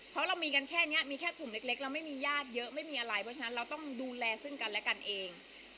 เพราะเรามีกันแค่นี้มีแค่กลุ่มเล็กเราไม่มีญาติเยอะไม่มีอะไรเพราะฉะนั้นเราต้องดูแลซึ่งกันและกันเอง